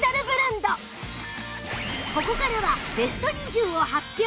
ここからはベスト２０を発表